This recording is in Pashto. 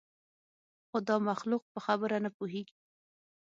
خو دا مخلوق په خبره نه پوهېږي.